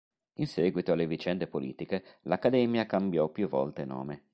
In seguito alle vicende politiche l'Accademia cambiò più volte nome.